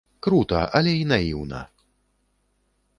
Крута, але і наіўна.